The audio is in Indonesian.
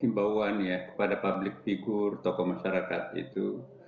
timbawuan ya kepada publik figur toko masyarakat itu